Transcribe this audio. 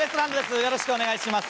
よろしくお願いします。